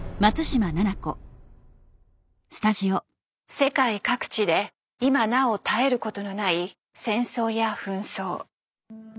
世界各地で今なお絶えることのない戦争や紛争。